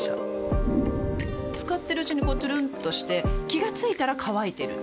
使ってるうちにこうトゥルンとして気が付いたら乾いてる